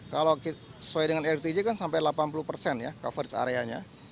kalau sesuai dengan ltj kan sampai delapan puluh persen ya coverage areanya